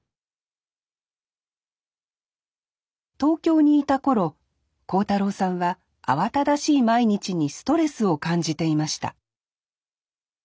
東京にいた頃幸太郎さんは慌ただしい毎日にストレスを感じていました